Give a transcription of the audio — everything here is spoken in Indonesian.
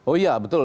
oh iya betul